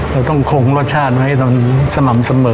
เราต้องคงรสชาติไว้สม่ำเสมอ